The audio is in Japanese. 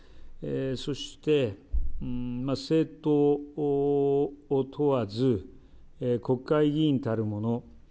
そして、政党を問わず国会議員たるもの